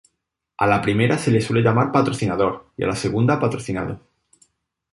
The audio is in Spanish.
A la primera se la suele llamar patrocinador y a la segunda patrocinado.